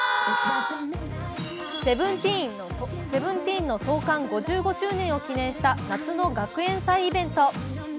「Ｓｅｖｅｎｔｅｅｎ」の創刊５５周年を記念した夏の学園祭イベント。